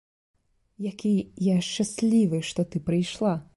Які я шчаслівы, што ты прыйшла.